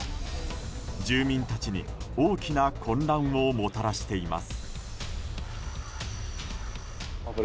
住民たちに大きな混乱をもたらしています。